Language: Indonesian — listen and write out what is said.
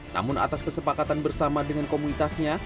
namun atas kesepakatan bersama dengan komunitasnya